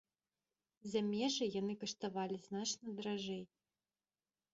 З замежжа яны каштавалі значна даражэй.